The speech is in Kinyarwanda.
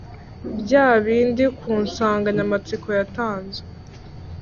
by’abandi ku nsanganyamatsiko yatanzwe